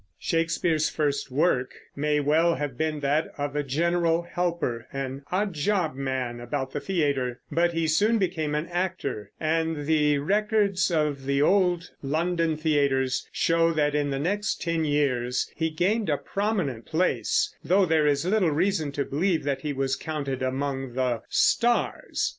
Shakespeare's first work may well have been that of a general helper, an odd job man, about the theater; but he soon became an actor, and the records of the old London theaters show that in the next ten years he gained a prominent place, though there is little reason to believe that he was counted among the "stars."